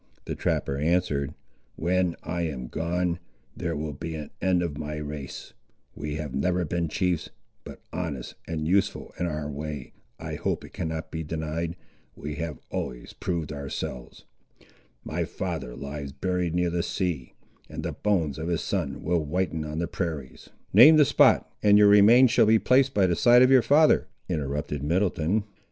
the trapper answered: "when I am gone, there will be an end of my race. We have never been chiefs; but honest and useful in our way, I hope it cannot be denied, we have always proved ourselves. My father lies buried near the sea, and the bones of his son will whiten on the prairies—" "Name the spot, and your remains shall be placed by the side of your father," interrupted Middleton.